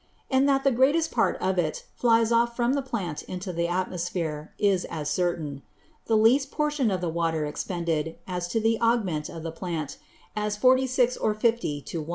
And that the greatest part of it flies off from the Plant into the Atmosphere, is as certain. The least Proportion of the Water expended, was to the Augment of the Plant, as 46 or 50 to 1.